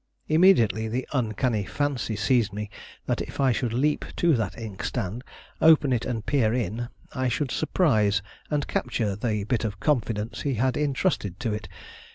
Immediately the uncanny fancy seized me that if I should leap to that inkstand, open it and peer in, I should surprise and capture the bit of confidence he had intrusted to it.